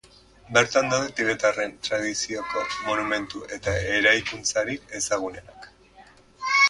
Bertan daude tibetarren tradizioko monumentu eta eraikuntzarik ezagunenak.